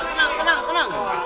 tenang tenang tenang